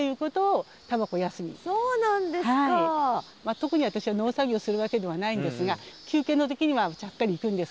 特に私は農作業するわけではないんですが休憩の時にはちゃっかり行くんです。